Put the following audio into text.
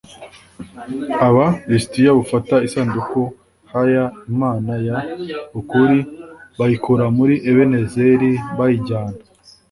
Aba lisitiya bafata isanduku h y imana y ukuri bayikura muri ebenezeri bayijyana